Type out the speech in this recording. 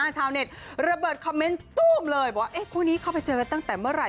ชาวเน็ตระเบิดคอมเมนต์ตู้มเลยบอกว่าคู่นี้เข้าไปเจอกันตั้งแต่เมื่อไหร